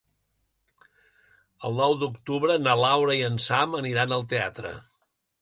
El nou d'octubre na Laura i en Sam aniran al teatre.